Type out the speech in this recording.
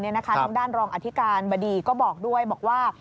ทางด้านรองอธิการบดีก็บอกด้วยบอกว่า